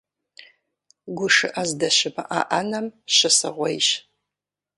ГушыӀэ здэщымыӀэ Ӏэнэм щысыгъуейщ.